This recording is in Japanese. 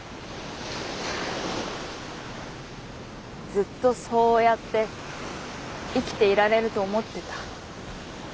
ずっとそうやって生きていられると思ってた。